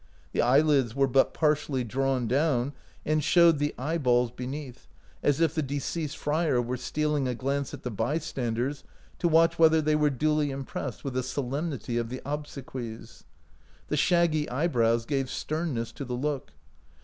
The eyelids were but par tially drawn down, and showed the eyeballs OUT OF BOHEMIA beneath ; as if the deceased friar were steal ing a glance at the bystanders, to watch whether they were duly impressed with the solemnity of the obsequies. The shaggy eyebrows gave sternness to the look.